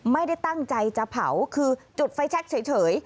ไม่ได้ตั้งใจจะเผาคือจุดไฟแชคเฉย